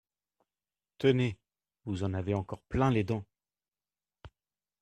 Tenez ! vous en avez encore plein les dents.